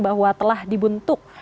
bahwa telah dibentuk